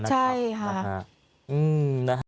ใช่ค่ะ